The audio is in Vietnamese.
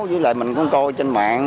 với lại mình cũng coi trên mạng